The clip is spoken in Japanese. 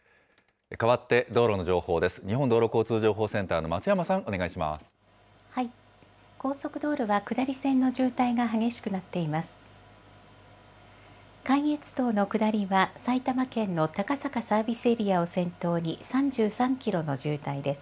かわって、道路の情報です。